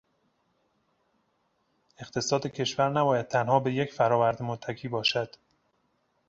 اقتصاد کشور نباید تنها به یک فرآورده متکی باشد.